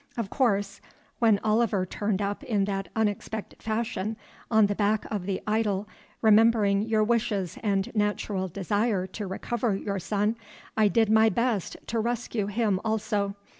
"Of course, when Oliver turned up in that unexpected fashion on the back of the idol, remembering your wishes and natural desire to recover your son, I did my best to rescue him also.